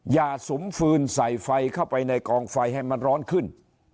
อย่าสุมฟืนใส่ไฟเข้าไปในกองไฟให้มันร้อนขึ้น